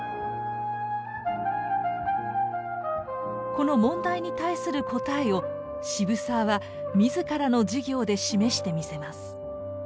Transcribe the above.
この問題に対する答えを渋沢は自らの事業で示してみせます。